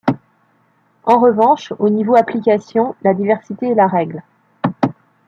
En revanche, au niveau application la diversité est la règle.